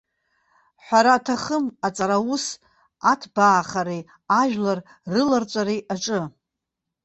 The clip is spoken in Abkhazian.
Ҳәара аҭахым, аҵараус аҭбаахареи ажәлар рыларҵәареи аҿы.